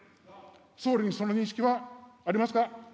総理にその認識はありますか。